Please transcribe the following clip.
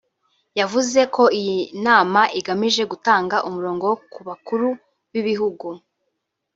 yavuze ko iyi nama igamije gutanga umurongo ku bakuru b’ibihugu